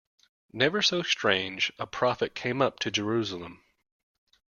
Never so strange a prophet came up to Jerusalem.